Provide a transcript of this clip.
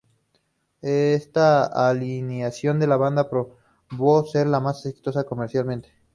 Esta alineación de la banda probó ser la más exitosa comercialmente.